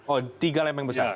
oh tiga lempeng besar